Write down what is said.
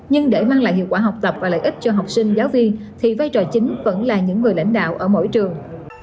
nhưng để mang lại hiệu quả học tập và lợi ích cho học sinh giáo viên thì vai trò chính vẫn là những người lãnh đạo ở mỗi trường